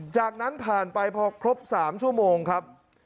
จากนั้นผ่านไปพอครบ๓ชั่วโมงครับ